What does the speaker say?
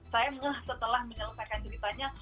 saya setelah menyelesaikan ceritanya